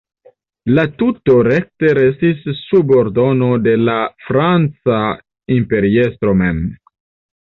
La tuto rekte restis sub ordono de la franca imperiestro mem.